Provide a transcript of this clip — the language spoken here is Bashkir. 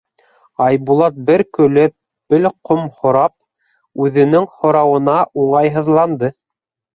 Айбулат, бер көлөп, бер ҡомһарып, үҙенең һорауына уңайһыҙланды.